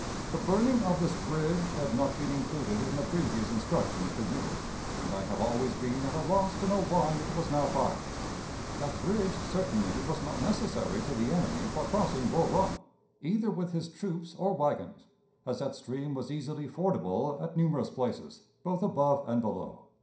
"The burning of this bridge had not been included in the previous instructions to Ewell, and I have always been at a loss to know why it was now fired. That bridge certainly was not necessary to the enemy for crossing Bull Run, either with his troops or wagons, as that stream was easily fordable at numerous places, both above and below.